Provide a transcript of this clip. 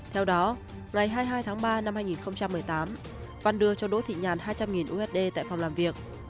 theo đó ngày hai mươi hai tháng ba năm hai nghìn một mươi tám văn đưa cho đỗ thị nhàn hai trăm linh usd tại phòng làm việc